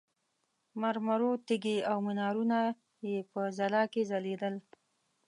مرمرو تیږې او منارونه یې په ځلا کې ځلېدل.